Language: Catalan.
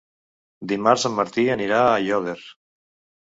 Dimarts en Martí anirà a Aiòder.